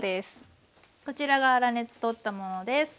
こちらが粗熱取ったものです。